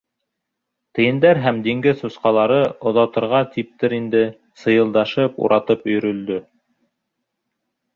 Тейендәр һәм диңгеҙ сусҡалары, оҙатырға типтер инде, сыйылдашып, уратып өйөрөлдө.